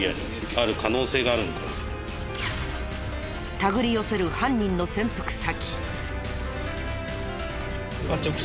手繰り寄せる犯人の潜伏先。